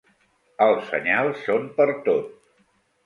Els senyals són pertot.